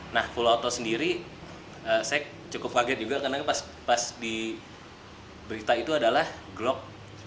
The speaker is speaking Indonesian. nah full auto sendiri saya cukup kaget juga karena pas diberita itu adalah glock tujuh belas